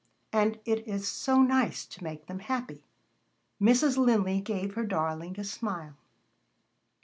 "And it is so nice to make them happy!" Mrs. Linley gave her darling a smile.